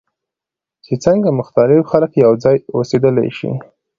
چې څنګه مختلف خلک یوځای اوسیدلی شي.